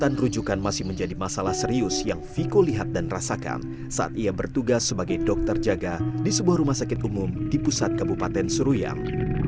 dan rujukan masih menjadi masalah serius yang viko lihat dan rasakan saat ia bertugas sebagai dokter jaga di sebuah rumah sakit umum di pusat kabupaten seruyang